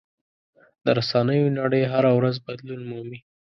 د رسنیو نړۍ هره ورځ بدلون مومي.